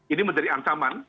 ini menjadi ancaman